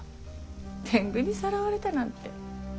天狗にさらわれたなんて。